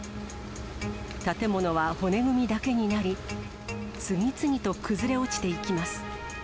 建物は骨組みだけになり、次々と崩れ落ちていきます。